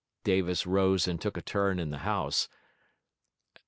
Davis rose and took a turn in the house.